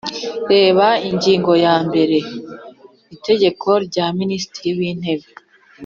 reba ingingo ya mbere y’ iteka rya minisitiri w’intebe